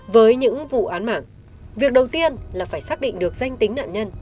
với những vụ án mạng việc đầu tiên là phải xác định được danh tính nạn nhân